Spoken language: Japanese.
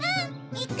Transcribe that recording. いく！